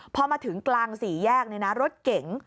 พอมาถึงกลางสี่แยกรถเก๋ง